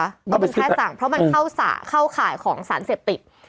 ต้องเป็นค่าสั่งเพราะมันเข้าสระเข้าข่ายของสารเสพติด